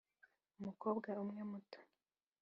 umukobwa umwe muto